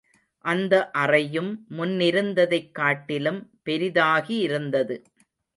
அந்த அறையும் முன்னிருந்ததைக் காட்டிலும் பெரிதாகியிருந்தது.